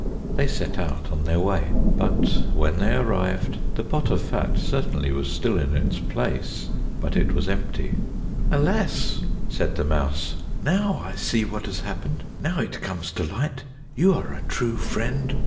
They set out on their way, but when they arrived, the pot of fat certainly was still in its place, but it was empty. "Alas!" said the mouse, "now I see what has happened, now it comes to light! You are a true friend!